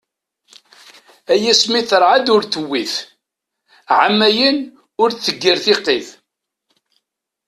Ay asmi terɛed ur tewwit, ɛamayen ur d-tegir tiqqit.